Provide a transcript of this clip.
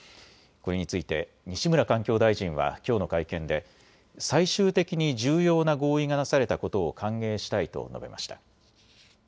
これについて西村環境大臣はきょうの会見で最終的に重要な合意がなされたことを歓迎したいと述べました。